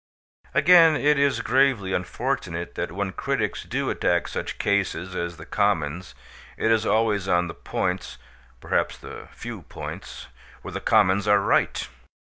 Again, it is gravely unfortunate that when critics do attack such cases as the Commons it is always on the points (perhaps the few points) where the Commons are right.